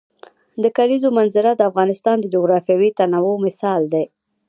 د کلیزو منظره د افغانستان د جغرافیوي تنوع مثال دی.